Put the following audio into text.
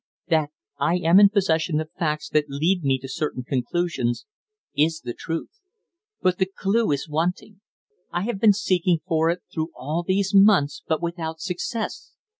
"That I am in possession of facts that lead me to certain conclusions, is the truth. But the clue is wanting. I have been seeking for it through all these months, but without success."